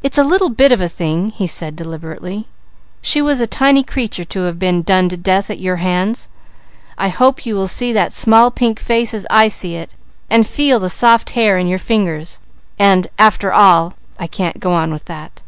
"It's a little bit of a thing," he said deliberately. "She was a tiny creature to have been done to death at your hands. I hope you will see that small pink face as I see it, and feel the soft hair in your fingers, and after all, I can't go on with that.